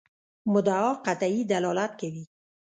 مدعا قطعي دلالت کوي.